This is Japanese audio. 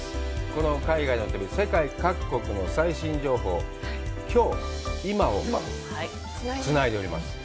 この海外の旅、世界各国の最新情報を、きょう、今をつないでおります。